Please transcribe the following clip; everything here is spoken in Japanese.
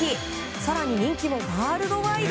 更に人気もワールドワイド。